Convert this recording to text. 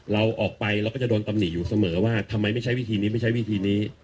เราออกไปเราก็จะโดนตำหนิอยู่เสมอว่าทำไมไม่ใช้วิธีนี้ไม่ใช้วิธีนี้